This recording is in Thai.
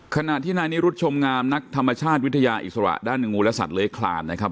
ขณะที่นายนิรุธชมงามนักธรรมชาติวิทยาอิสระด้านงูและสัตว์คลานนะครับ